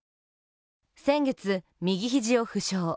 先月、右ひじを負傷。